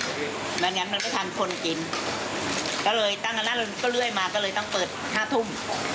เพราะฉะนั้นมันก็ทำคนกินก็เลยตั้งอันนั้นก็เรื่อยมาก็เลยต้องเปิดห้าทุ่ม